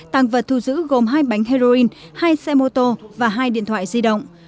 tăng vật thu giữ gồm hai bánh heroin hai xe mô tô và hai điện thoại di động